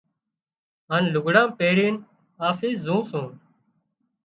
هانَ لگھڙان پيرينَ آفس زُون سُون۔